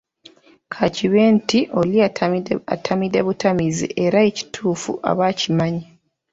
Ka kibe nti oli atamidde butamiizi era ekituufu aba akimanyi.